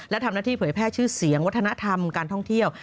และทำหน้าที่เผยแพร่ชื่อเสียงวัฒนธรรมการท่องเที่ยว